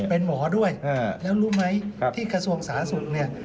เป็นหมอด้วยแล้วรู้ไหมที่กระทรวงสาธารณสุขเนี่ย